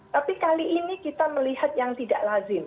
tapi kali ini kita melihat yang tidak lazim